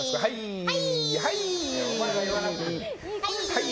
はい！